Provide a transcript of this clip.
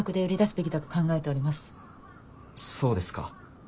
そうですか。